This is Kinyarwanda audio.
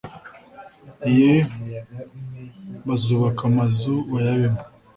ye bazubaka amazu bayabemo